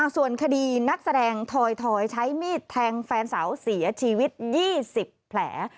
ส่วนคดีนักแสดงถอยใช้มีดแทงแฟนสาวเสียชีวิต๒๐แผล